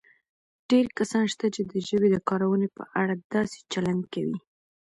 ډېر کسان شته چې د ژبې د کارونې په اړه داسې چلند کوي